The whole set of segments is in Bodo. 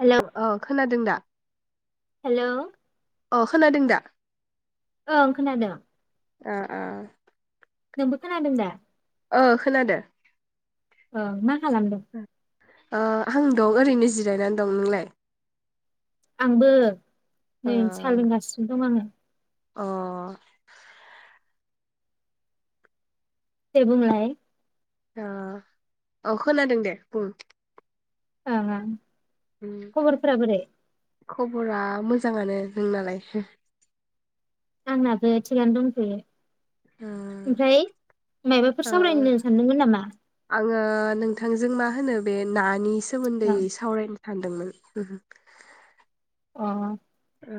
हेलौ औ खोनादों दा हेलौ अ खोनादों दा ओं खोनादों ओ ओ नोंबो खोनादों दा ओ खोनादों अ मा खालामदों ओ आं दं ओरैनो जिरायनानै दं नोंलाय आंबो अ नै सालोंगासिनो दं आङो अ दे बुंलाय औ खोनादों दे बुं ओं ओं उम खबरफ्रा बोरै? खबरा मोजाङानो। नोंनालाय? आंनाबो थिगानो दंथ'यो। ओ ओमफ्राय मायबाफोर - ओ सावरायनो सानदोंमोन नामा आंङो नोंथांजों मा होनो बे नानिस सोमोन्दै ओं सावरायनो सान्दोंमोन अ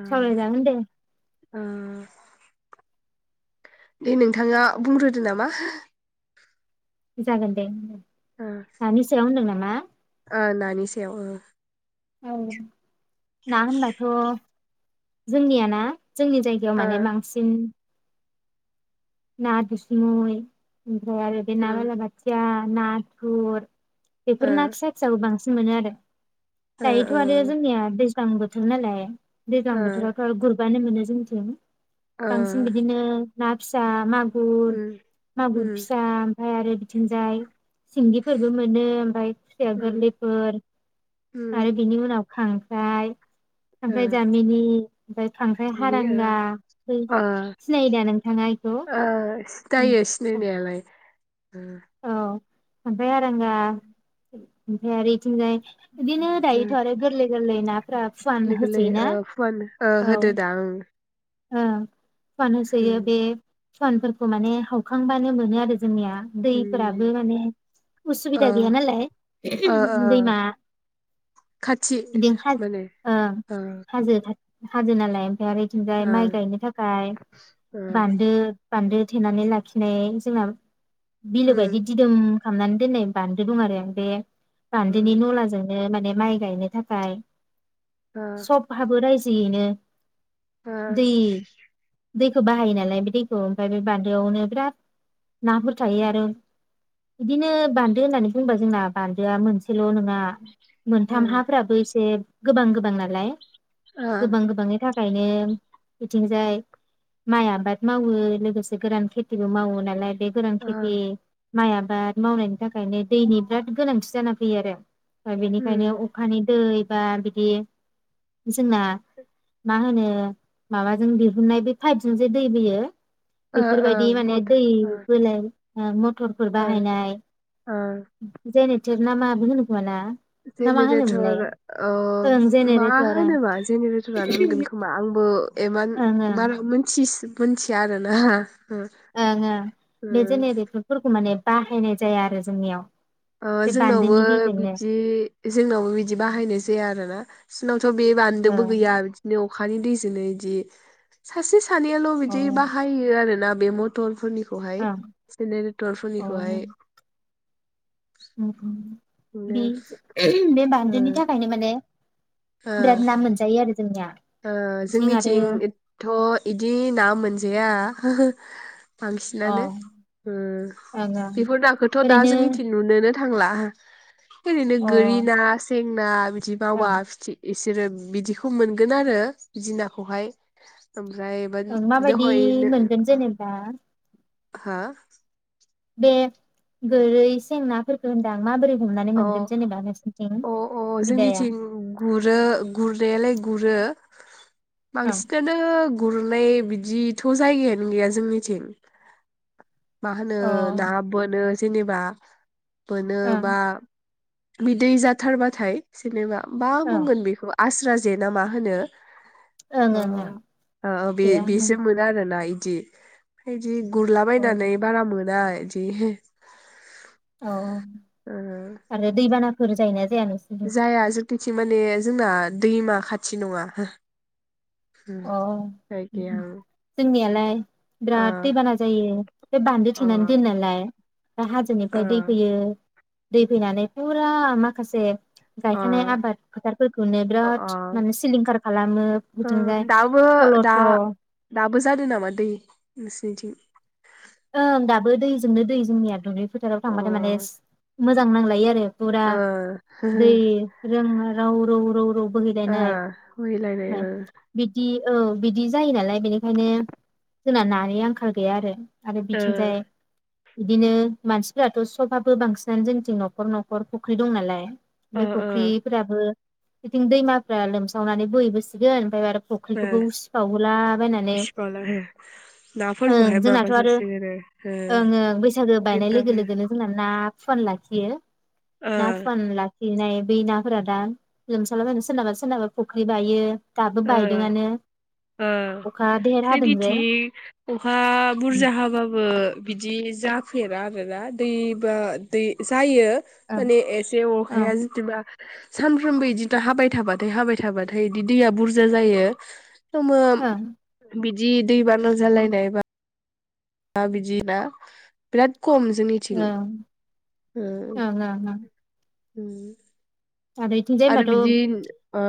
सावराय जागोन दे । ओ दे नोंथाङा बुंग्रोदो नामा जागोन दे ओ नानि सायाव होनदों नामा? ओ नानि सायाव ओ । औ ना होनबाथ' जोंनिया ना? जोंनि जायगायाव ओ माने बांसिन ना दुसुमै आमफ्रा आरो ना उम बाला बाथिया नाथुर बेफोर ओ ना फिसा फिसा खौ बांसिन मोनो आरो ओ दायोथ' ओ आरो जोंनिया दैज ओं बोथोर नालाय दैज्लां ओ बोथोरावथ' आरो गुर बानो मोनो जोंनिथिं ओ बांसिन बिदिनो ना फिसा बा मा मागुर उम मागुर उम फिसा ओमफाय आरो थिंजाय सिंगिफोरबो मोनो ओमफाय खुसिया उम गोरलैफोर ओ आरो बिनि उनाव खांख्राइ ओमफ्राय जामिनि ओमफ्राय खांख्राइ माने हारांगा ओ ओ सिनायोदा नोंथाङा? ओ सि दायो सिनायनायालाय । खांख्राय हारांगा ओमफ्राय आरो इग बिथिंजाय बिदिनो दायोथ' आरो गोरलै गोरलै ना फोरा फुवान गोरलै गोरलै होसै ना ओ फुवान ओ औ होदोदां उम । ओ। फानोसैयो बे। सनफोरखौ माने हखांबानो मोनो आरो। जोंनिया उम दैफोराबो माने ओ उसुबिदा गैया नालाय ओ ओ दैमा खाथि बिं हा माने ओ ओ हाजो। हाजो नालाय एफाय आरो। ओफ्राय ओ माइ गायनो थाखाय ओ बान्दो। बान्दो थेनानै लाखिनाय जोंना। बिलो उम बायदि दिदोम। हामनानै दोननाय बान्दो दं आरो बेे। ओ बान्दोनि न'लाजों। ओ माने माइ गायनो थाखाय। ओ सबहाबो रायजो। यैनो। दै। दैखौ बाहायो नालाय बे दैखौ ओमफ्राय बे बान्दोआवनो बिराद नाफोर थायो आरो बिदिनो बान्दो होननानै बुंबा जोंना बान्दोआ मोनसेल' नङा। ओ मोनथाम हाफ्राबो एसे। गोबां गोबां नालाय। ओ गोबां गोबांनि थाखाय। खायनो। बिथिंजाय माइ आबाद मावो लोगोसे गोरान खेथिबो मावो नालाय। बे गोरान ओ खेथि। माइ आबाद मावनायनि थाखायनो दैनि बिराद गोनांथि जाना फैयो आरो। फाय बेनिखायनो उम अखानि दै। बा बिदि। जोंना मा होनो। ओ माबाजों दिहुननाय बे पाइपजों जे दै बोयो। ओ ओ बेफोरबायदि माने मथ दै ओ बोलाय। ओ मत फोरबो ओ बाहायनाय ओ जेने थेरना माबो होनोखोमा ना ना मा होनोमोनलाय जेनेरेटर ओ ओं मा जेनेरेटर होनोबा जेनेरेटरानो ओं होनगोन खोमा आंबो एमान ओं ओं बारा मोनथिस मिथिया आरोना ओं ओं ओ बे जेनेरेटरफोरखौ माने बाहायनाय जाया आरो जोंनियाव अ बे जोंनावबो बान्दोनि गेजेरनो बिदि जोंनावबो बिदि बाहायनाय जाया आरोना सिनाव थ' बे अ बान्दोबो गैया बिदिनो अखानि दैजोंनो इदि सासे सा नैयाल' बिदि अ बाहायो आरोना बे मटरफोरनि निखौहाय जेनेरेतरफोरनिखौहाय उम उम बिदि बे ओ बानदोनि थाखायनो माने बिराद ओ ना मोनजायो आरो जोंनिया ओ बिथिं आरो जोंनिथिं एथ' इदि ना मोनजाया अ बांसिनानो ओं उम ओं बेफोर नाखोथ' दा ओरैनो जोंनिथिं नुनोनो थांला ओरैनो अ गोरि ना सें ना बिदि मावा ओं फिथि बिसोरो बिदिखौ मोन गोन आरो बिदि नाखौहाय ओमफ्राय बा ओं माबायदि दहाय नो मोनगोन जेनेबा हा बे गोरै सेंनाफोरखौ होनदां माबोरै हमनानै अ मोनगोन जेनेबा नोंसिनिथिं अ अ बिदाया जोंनिथिं गुरो गुरनायालाय गुरो [inaudible] ओं बांसिनानो गुरनाय बिदिथ' जायगायानो गैया जोंनिथिं माहोनो अ ओं ना बोनो जेनेबा बोनो बा ओं बिदै जाथारबाथाय जेनेबा मा ओं बुंगोन बेखौ आस्रा जेना मा होनो ओं अ ओं अ अ बे गैया ओं बेसो मोनो आरोना इ थि जि औ गुरलाबायायनानै बारा मोना दि औ आरो दैबानाफोर जायोना जाया नोंसोरजों जाया जोंथिं सि माने जोंना दैमा खाथि नङा हो उम अ उम जायगाया उम जोंनियालाय बिराद दैबाना जायो बे बान्दो ओ थेनानै दोनो नालाय ओ हाजोनिफ्राय दै फैयो दै फैनानै फुरा माखासे ओ गायखानाय आबाद फोथारफोरखौनो अ बिराद माने सिलिंखार खालामो बिथिंजाय बो दाबो ओ दा फल'थ' दाबो जादों नामा दै नोंसिनिथिं? ओं दाबो दैजोंनो दै जोंनिया दुब्लि फोथाराव अ थांबथाय माने मो मोजां नांलायो आरो फुरा ओ दै रों रौ रौ रौ रौ ओ बोहैलायनाय बोहैलायनाय ओमफ्राय ओं बिदि औ बिदि जायो नालाय बेनिखायनो जोंना नानि आंखाल गैया आरो आरो ओ बिथिंजाय बिदिनो मानसिफ्राथ सबाबो बांसिनानो जोंनिथिं नखर नखर फुख्रि दं नालाय ओ बे फुख्रिफोराबो बिथिं दैमाफ्रा लोमसावनानै बोहैबोसिगोन ओमफाय आरो ओ फुख्रिखौबो उसिफावहोला बायनानै बिसिबाला हो ओ नाफोरखौहाय जोंना थ आरो माबाजोबसिगोनो ओ ओं ओङो बैसागो बायनाय लोगो फुख्रिफ्राबो लोगोनो जोंना ना फुवान लाखियो ओ ना फुवान लाखिनाय बै नाफोरा दा लोमसालाबायनो सोरनाबा सोरनाबा फुख्रि बायो। दाबो ओ बायदोंआनो ओ अखा देर हादों जे जोंनिथिं अखा बु ओं बुरजा हाबाबो। बिदि जाफेरा आरोना दैबा दै जायो। ओं माने एसे अखाया ओं जेदिबा। सानफ्रोमबो इदि दा हाबाय थाबाथाय हाबाय थाबाथाय इदि दैया बुर जा जायो। ओं [unintelligible] जि दैबाना जालायनाय बा। बिदिना बिराद खम जोंनिथिं। ओं ओ ओं ओं उम। इथिंजाय आरो होनबाथ' बिदि ओ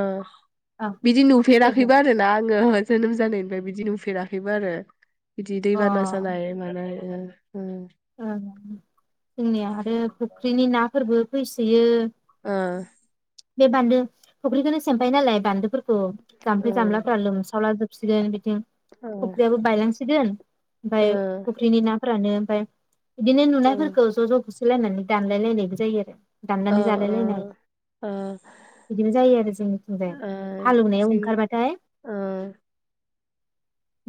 औ बिदि दे बुं नुफेराखैबो आरोना आं। ओहो जोनोम जानायनिफ्राय बिदि नुफेराखैबो आरो। बिदि दै बाना सानाय मानाय। [unintelligible] औ जोंनिया आरो फुख्रिनि नाफोरखौ। फैसोयो। ओ बे बान्दो फुख्रिखौनो सेमफायो नालाय बान्दोफोर खौ जाम्फै जामलाफ्रा लोमसावला जोबसिगोन बिथिं ओ फुख्रियाबो बायलांसिगोन। ओमफाय ओ फख्रिनि ना। फोरानो ओमफाय। इदिनो ओ नुनायफोरखौ ज ज होसोलायनानै दानलायलायनायबो जायो आरो। दाननानै जालायलायनाय। ओ बिदिबो जायो आरो जोंनिथिंजाय ओ हालेवनायाव जों ओंखारबाथाय। ओ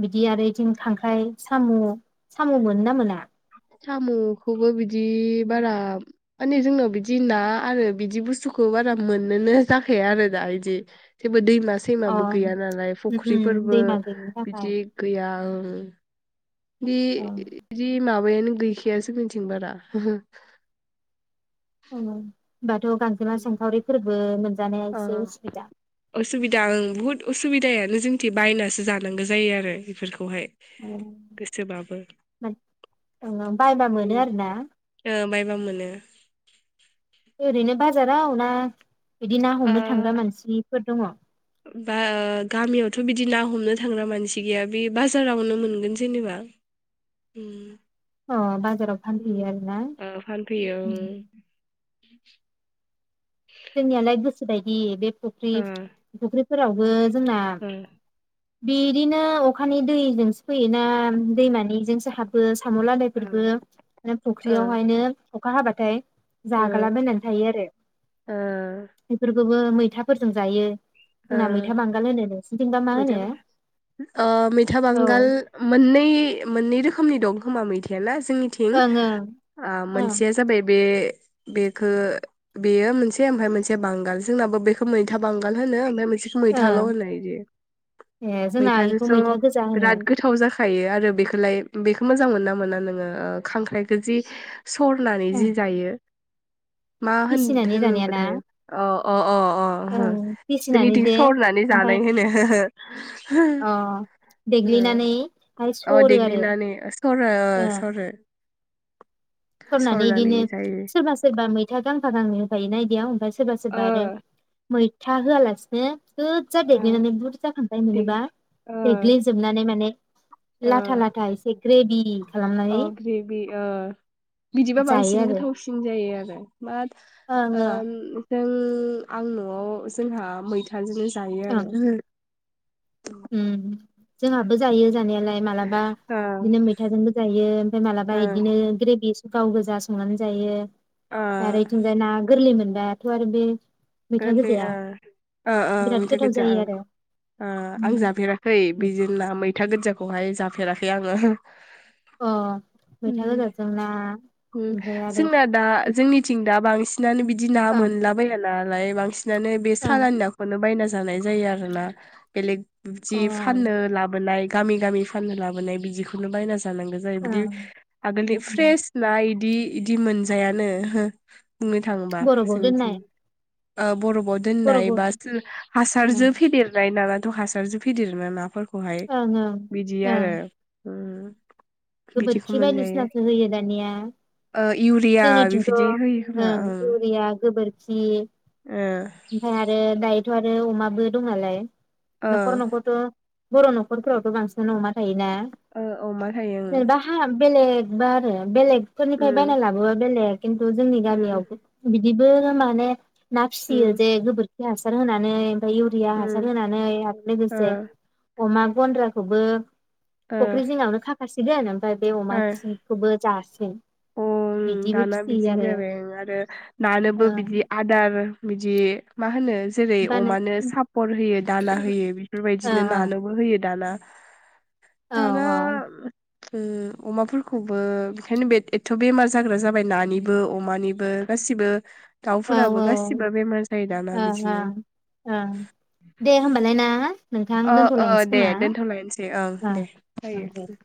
बिदि आरो इथिं खांख्राइ साम' साम' मोनो ना मोना? साम'खौबो बिदि बारा माने जोंनाव बिदि ना आरो बिदि बुस्थुखौ बारा मोननोनो जाखाया आरो दा इदि। बो दैमा अ सैमाबो गैया नालाय उम उम फुख्रिफोरबो दैमा गैयिनि थाखाय बिदि गैया ओं। बि अ जि माबायानो गै गैया जोंनिथिं बारा। औ होनबाथ' गांजोमा सेंखावरि फोरबो मोन ओं ओं उसुबिदा ओं बहुत उ सुबिदायानो जोंथि बायनासो जानांगौ जायो आरो बेफोरखौहाय ओं गोसोबाबो ओ ओं ओं बायबा ओ मोनो आरो ना बायबा मोनो ओरैनो बाजाराव ना बिदि ना ओ हमनो थांग्रा मानसि फोर दङ। बा गामियावथ बिदि ना हमनो थांग्रा मानसि गैया बे बाजारावनो मोनगोन जेनेबा। अ बाजाराव उम फानफैयो आरोना ओ फानफैयो ओं [unintelligible] जोंनियालाय गोसो बायदि बे फख्रि ओं फख्रि फोरावबो। जोंना। ओ बिदिनो अखानि दैजोंसो फैयोना दैमानिजोंसो हाबो। साम ओ लादायफोरबो बे ओ फुख्रियावहायनो। अखा हाबाथाय। ओ जागालाबायनानै थायो आरो। एफोरखौ। बो मैथाफोरजों जायो। ओ जोंना मैथा बांगाल होनो नोंसिनिथिंबा मा होनो मैथाफोर अ मैथा औ बांगाल मोननै मोननै रोखोम। मोननै रोखोमनि दं खोमा मैथाया ना जोंनिथिं ओं ओं आ ओं मोनसेया जाबाय बे। बेखौ बेयो मोनसे ओमफ्राय मोनसे बांगाल जोंनाबो बेखौ मैथा बांगाल। होनो ओमफाय मोरसे मैथाल ओं होनो इदि ए जोंना बेखौ मैथाजोंथ मैथा गोजा होनो बिराद गोथाव जाखायो आरो बेखौलाय। बेखौ मोजां मोनो ना मोना नोङो ओ खांख्राइखौ जि सरनानै ओं जि जायो। मा होन फिसिनानै जानायाना होनोमोनथाय अ अ अ अ। ओं फिसिनानै जोंनिथिं जे सरनानै ओमफाय जानाय होनो अ देग्लिनानैहाय अ सरो आरो देग्लिनानै सरो ओ अ सरो। सरनानै बिदिनो सोरबा सोरबा मैथा गां फा गांनै होफायो ना इदियाव ओमफ्राय। सोरबा ओ सोरबा आरो मैथा होआलासिनो। गोजा ओ देग्लिनानै बुरजा। दि मोनोबा ओ देग्लिजोबनानै माने। ओ लाथा लाथा एसे ग्रेबि। अ ग्रेबि ओ बिदिबा जायो बांसिन आरो गोथावसिन जायो आरो । बाद ओं ओं ओ जों आं न'आव जोंहा मैथाजोंनो जायो आरो । ओम जोंहाबो जायो जानाया मालाबा ओ बिदिनो मैथाजोंबो जायो मालाबा ओ इदिनो ग्रेबि गाव गोजा संनानै जायो ओ । आरो इथिंजा ना गोर्लै मोन दाथ' आरो बे मैथा गोलै गोजाया ओ ओओ बिराद मैथा गोथाव गोजा जायो ओं आरो ओ। आं जाफेराखै उम बिदि ना मैथा गोजाखौ खौहाय जाफेराखै आङो। अ मैथा गोजाजों ना ओम ओमफ्राय आरो जोंना दा जोंनिथिं दा बांसिनानो बिदि ना ओं मोनाब्ला दालाय बांसिन बिनानै बे ओं सालानि नाखौनो बायना जानाय जायो आरोना बेलेक बिदि ओं फाननो लाबोनाय गामि गामि फाननो लाबोनाय बिदिखौनो बायना जा नांगौ जायो बिदि आगोलनि ओं फ्रेस इदि इदि मोनजायानो हो। बुंनो थाङोबा बरफआव जोंनिथिं। दोननाय ओ बर'आ बर'फआव दोननाय बरफआव बा ओं हासार फेदेरनाय ना हासारजों फेदेरोना नाफोर खौहाय ओं ओं बिदि आरो। ओं उम बिदिखौ गोबोरखि मोनजायो बायदिसिनासो होयो दा ओ [unintelligible] इउरिया जोंनिथिंथ' बिबायदि होयो खोमा ओं ओं इउरिया गोबोरखि ओ ओमफाय आरो दायो थ' आरो अमाबो दं नालाय ओ न'खर न'खर थ' बर' न'खरफोरावथ बांसिन अमा थायो औ अमा थायो [unintelligible] बेलेगबारो बेलेग सोरनिफाय बायना ओं लाबोआ बेलेग खिुनथु जोंनि उम गामियाव बिबो माने ना फिसियो उम जे गोबो हासार होनानै इउरिया हासार उम होनानै आरो ओ लोगोसे अमा गन्द्राखौबो ओ फुख्रि जिङावनो खा [unintelligible] अ जासिगोन उम बिदिबो दाना फिसियो बिदिनो आरो जाबाय आरो नानोबो ओ बिदि आदार बिदि मा होनो जेरै बानो अमानो सापर होयो दाना होयो ओं बेफोरबायदिनो ओं नानोबो होयो दाना दाना औ ओम अमाफोरखौबो ओंखायनो बे एथ बेमार जाग्रा जाबाय नानिबो अमानिबो गासिबो औ औ दाउफोराबो गासिबो बेमार जायो दाना ओं बिदिनो ओं ओं दे होमबालाय ना नोंथां ओ ओ दोनथ'लायनोसै दे खोमा दोनथलायनोसै ओं दे ओं दे जायो। [inaudible]